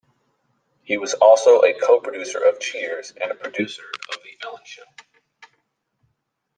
He was also a co-producer of "Cheers" and producer of "The Ellen Show".